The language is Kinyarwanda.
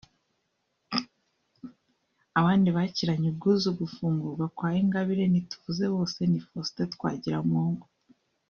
Abandi bakiranye ubwuzu gufungurwa kwa Ingabire (ntituvuze bose) ni Faustin Twagiramungu